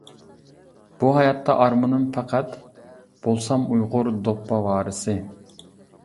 بۇ ھاياتتا ئارمىنىم پەقەت، بولسام ئۇيغۇر دوپپا ۋارىسى.